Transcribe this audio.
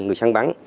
người sáng bắn